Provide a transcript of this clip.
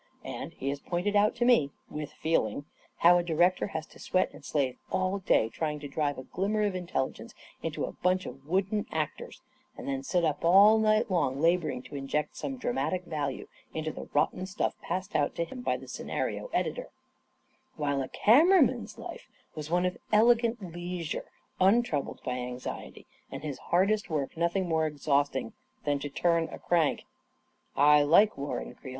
And he has pointed out to me, with feeling, how a director has to sweat and slave all day trying to drive a glimmer of intelligence into a bunch of wooden actors, and then sit up all night laboring to 2 A KING IN BABYLON inject some dramatic value into the rotten stuff passed out to him by the scenario editor; while a cameraman's life was one of elegant leisure, untrou bled by anxiety, and his hardest work nothing more exhausting than to turn a crank 1 I like Warren Creel.